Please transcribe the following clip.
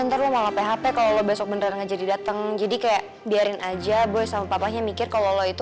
ntar mau php kalau besok beneran jadi dateng jadi kayak biarin aja boy sama papanya mikir kalau itu